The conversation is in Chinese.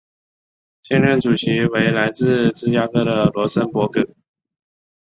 现任主席为来自芝加哥的罗森博格。